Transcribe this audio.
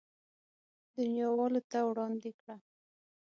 دنياوالو ته وړاندې کړه.